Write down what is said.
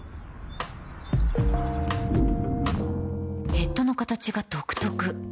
ヘッドの形が独特